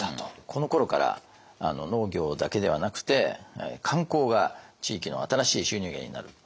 このころから農業だけではなくて観光が地域の新しい収入源になる。